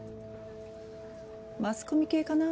マスコミ系かな？